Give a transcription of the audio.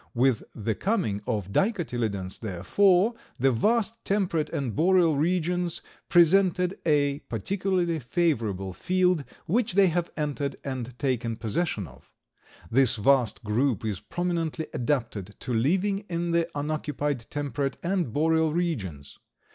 With the coming of the Dicotyledons, therefore, the vast temperate and boreal regions presented a particularly favorable field, which they have entered and taken possession of. This vast group is prominently adapted to living in the unoccupied temperate and boreal regions.